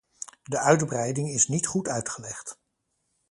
De uitbreiding is niet goed uitgelegd.